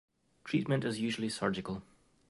Treatment is usually surgical.